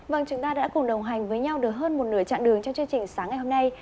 vâng chúng ta đã cùng đồng hành với nhau được hơn một nửa chặng đường trong chương trình sáng ngày hôm nay